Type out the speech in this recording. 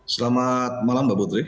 selamat malam mbak putri